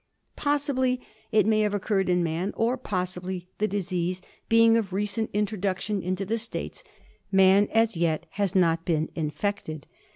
Possibly it may have occurred in man ; or, possibly, the disease being of recent introduction into the States, man as yet has not been infected.